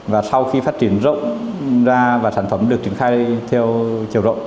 và sau khi phát triển rộng ra và sản phẩm được triển khai theo chiều rộng